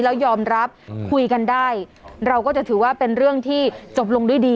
แล้วยอมรับคุยกันได้เราก็จะถือว่าเป็นเรื่องที่จบลงด้วยดี